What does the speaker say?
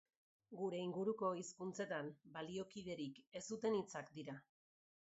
Gure inguruko hizkuntzetan baliokiderik ez duten hitzak dira.